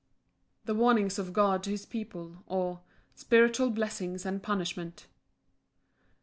The warnings of God to his people; or, Spiritual blessings and punishments.